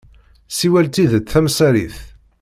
Ssiwel tidet tamsarit.